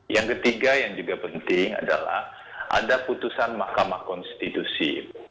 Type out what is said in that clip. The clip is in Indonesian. yang ketiga yang juga penting adalah ada putusan mahkamah konstitusi